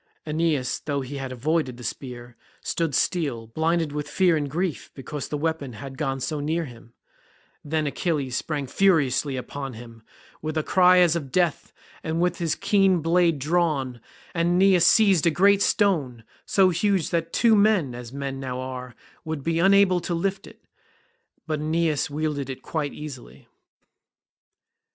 Aeneas though he had avoided the spear, stood still, blinded with fear and grief because the weapon had gone so near him; then Achilles sprang furiously upon him, with a cry as of death and with his keen blade drawn, and Aeneas seized a great stone, so huge that two men, as men now are, would be unable to lift it, but Aeneas wielded it quite easily.